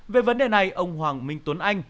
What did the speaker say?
về vấn đề này ông hoàng minh tuấn anh